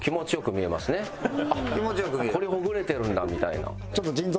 コリほぐれてるんだみたいな。